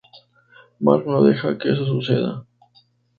Mark no deja que eso suceda.